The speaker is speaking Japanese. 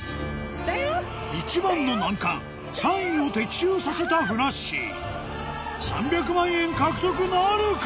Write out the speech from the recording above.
一番の難関３位を的中させたふなっしー３００万円獲得なるか？